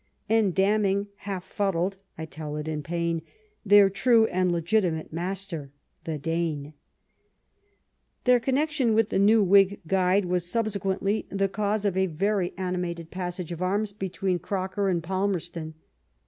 And damning, half fuddled (I tell it in pain), Their true and legitimate master — ^the Dane ! Their connection with the New Whig Guide was. subsequently the cause of a very animated passage of arms between Croker and Palmerston.